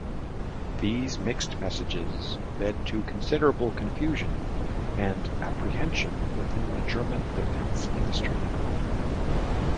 These mixed messages led to considerable confusion and apprehension within the German Defence Ministry.